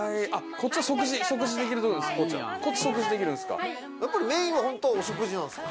こっち食事できるんですか？